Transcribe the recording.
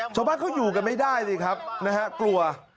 ชาวบ้านเขาอยู่กันไม่ได้สิครับนะฮะกลัว